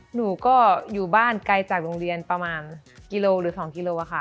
หนูก็อยู่บ้านไกลจากโรงเรียนประมาณกิโลหรือ๒กิโลค่ะ